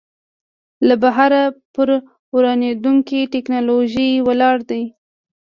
له بهره پر واردېدونکې ټکنالوژۍ ولاړ دی.